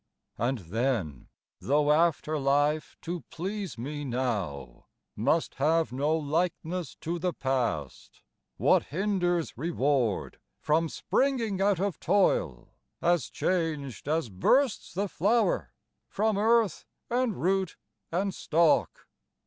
And then, though after life to please me now Must have no likeness to the past, what hinders Reward from springing out of toil, as changed As bursts the flower from earth and root and stalk